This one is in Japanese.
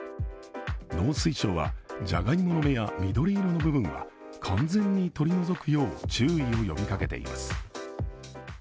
農水省は、じゃがいもの芽や緑色の部分は完全に取り除くよう注意を呼びかけています。